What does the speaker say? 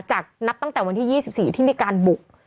นับตั้งแต่วันที่๒๔ที่มีการบุก